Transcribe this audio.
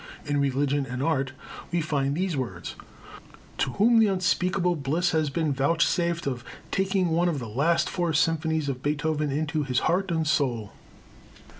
In "Religion and Art" we find these words: "to whom the unspeakable bliss has been vouchsafed of taking one of the last four symphonies of Beethoven into his heart and soul."